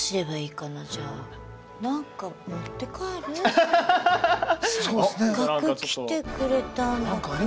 せっかく来てくれたんだから。